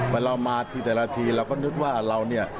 เวลาเรามาทีแต่ละทีเราก็นึกว่าเราเนี่ย